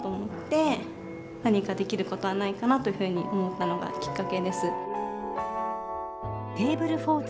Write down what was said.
何かできることはないかなというふうに思ったのがきっかけです。